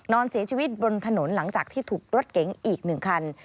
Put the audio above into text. นอนเสียชีวิตบนถนนหลังจากที่ถูกรถเก๋งอีก๑คัน